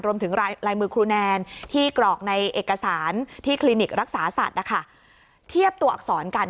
รวมถึงลายมือครูแนนที่กรอกในเอกสารที่คลินิกรักษาสัตว์เทียบตัวอักษรกัน